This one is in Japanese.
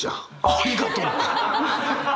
ありがとう。